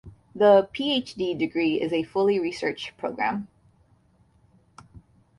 The Ph.D degree is a fully research program.